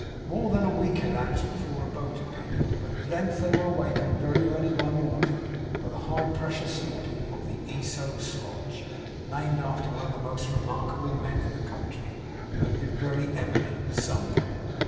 More than a week elapsed before a boat appeared; but at length they were awakened very early one morning by the high pressure snorting of the 'Esau Slodge;' named after one of the most remarkable men in the country, who had been very eminent somewhere.